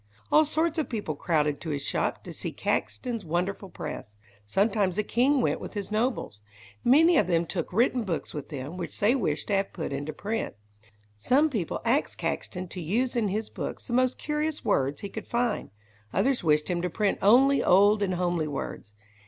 All sorts of people crowded to his shop to see Caxton's wonderful press; sometimes the king went with his nobles. Many of them took written books with them, which they wished to have put into print. Some people asked Caxton to use in his books the most curious words he could find; others wished him to print only old and homely words.